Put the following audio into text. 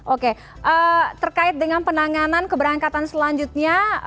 oke terkait dengan penanganan keberangkatan selanjutnya